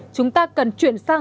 chúng ta cần chuyển sang công năng